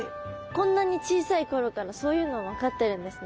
こんなに小さい頃からそういうの分かってるんですね。